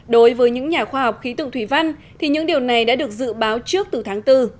đối với những nhà khoa học khí tượng thủy văn thì những điều này đã được dự báo trước từ tháng bốn